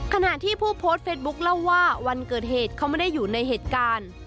ขณะที่ผู้โพสต์เฟซบุ๊คเล่าว่าวันเกิดเหตุเขาไม่ได้อยู่ในเหตุการณ์